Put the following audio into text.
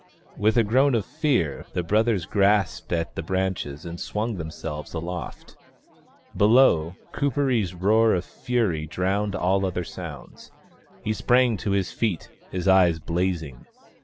With a groan of fear, the brothers grasped at the branches and swung themselves aloft. Below, Kuperee's roar of fury drowned all other sounds. He sprang to his feet, his eyes blazing.